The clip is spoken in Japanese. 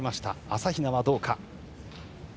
朝比奈はどうか。